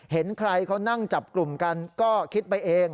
เห็นใครเขานั่งจับกลุ่มกันก็คิดไปเอง